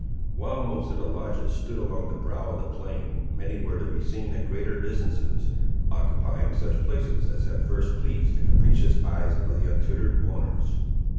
While most of the lodges stood along the brow of the plain, many were to be seen at greater distances, occupying such places as had first pleased the capricious eyes of their untutored owners.